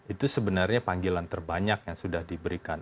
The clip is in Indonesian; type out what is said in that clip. itu sebenarnya panggilan terbanyak yang sudah diberikan